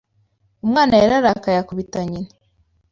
Umwana yararakaye akubita nyina